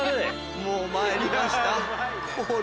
もう参りましたこれは。